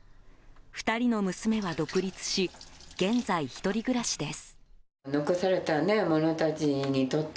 ２人の娘は独立し現在、１人暮らしです。